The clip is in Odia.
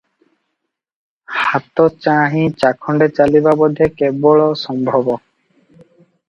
ହାତଚାହିଁ ଚାଖଣ୍ଡେ ଚାଲିବା ବୋଧେ କେବଳ ସମ୍ଭବ ।